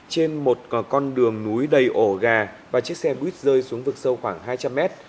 trên một con đường núi đầy ổ gà và chiếc xe bus rơi xuống vực sâu khoảng hai trăm linh mét